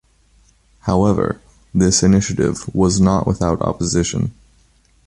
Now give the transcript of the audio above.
However, this initiative was not without opposition.